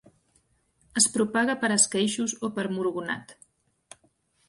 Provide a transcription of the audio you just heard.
Es propaga per esqueixos o per murgonat.